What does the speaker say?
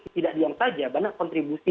tidak diam saja banyak kontribusi